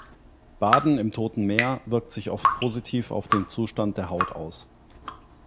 Baden im Toten Meer wirkt sich oft positiv auf den Zustand der Haut aus.